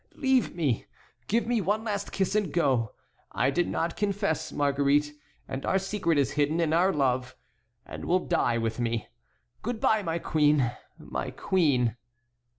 Leave me; give me one last kiss and go. I did not confess, Marguerite, and our secret is hidden in our love and will die with me. Good by, my queen, my queen."